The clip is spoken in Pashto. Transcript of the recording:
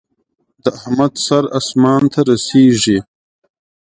د احمد سر اسمان ته رسېږي.